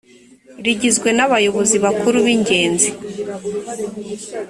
rigizwe n’abayobozi bakuru b’ingenzi .